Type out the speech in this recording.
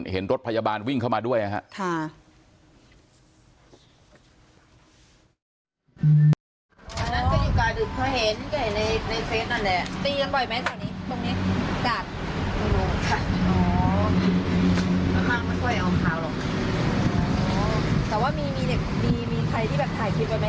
เห็นรถพยาบาลวิ่งเข้ามาด้วยนะครับ